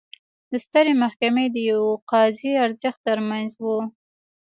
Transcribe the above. د سترې محکمې د یوه قاضي ارزښت ترمنځ و.